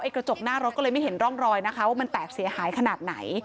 กระจกหน้ารถก็เลยไม่เห็นร่องรอยนะคะว่ามันแตกเสียหายขนาดไหน